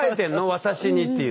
私にっていう。